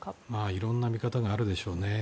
いろんな見方があるでしょうね。